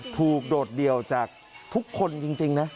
โดดเดี่ยวจากทุกคนจริงนะ